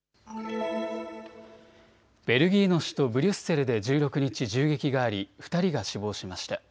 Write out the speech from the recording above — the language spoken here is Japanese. ベルギーの首都ブリュッセルで１６日、銃撃があり２人が死亡しました。